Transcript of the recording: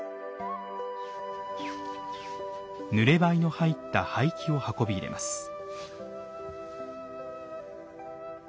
ぬれ灰の入った灰器を運び入れます。